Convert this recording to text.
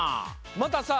またさ